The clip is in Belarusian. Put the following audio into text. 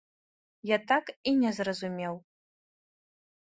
Я так і не зразумеў.